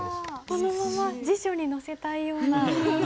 このまま辞書に載せたいような。